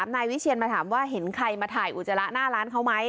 นายวิเชียนมาถามว่าเห็นใครมาถ่ายอุจจาระหน้าร้านเขาไหม